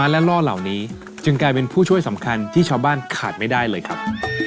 และล่อเหล่านี้จึงกลายเป็นผู้ช่วยสำคัญที่ชาวบ้านขาดไม่ได้เลยครับ